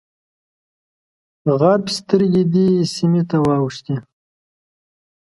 غرب سترګې دې سیمې ته واوښتې.